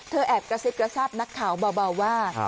เธอแอบกระชิบกระชาปนักข่าวเบาว่า